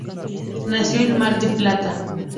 Nació en Mar del Plata.